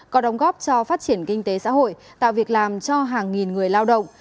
có đóng góp cho phát triển kinh tế xã hội tạo việc làm cho hàng nghìn người lao động